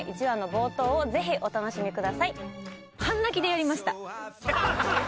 １話の冒頭をぜひお楽しみください」